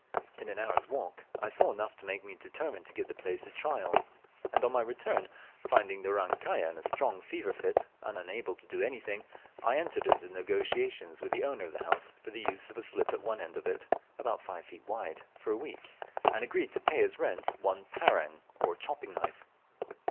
In an hour's walk I saw enough to make me determine to give the place a trial, and on my return, finding the "Orang kaya" was in a strong fever fit and unable to do anything, I entered into negotiations with the owner of the house for the use of a slip at one end of it about five feet wide, for a week, and agreed to pay as rent one "parang," or chopping knife.